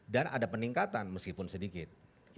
dan ada peningkatan meskipun sedikit